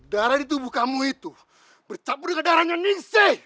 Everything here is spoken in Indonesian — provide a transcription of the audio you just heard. darah di tubuh kamu itu bercampur dengan darahnya ningsei